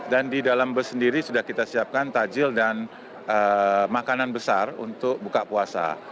dan di dalam bus sendiri sudah kita siapkan tajil dan makanan besar untuk buka puasa